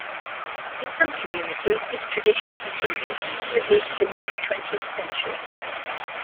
In some communities this tradition continued until at least the mid-twentieth century.